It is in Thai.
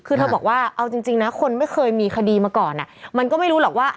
คือเธอบอกว่าเอาจริงนะคนไม่เคยมีคดีมาก่อนมันก็ไม่รู้หรอกว่า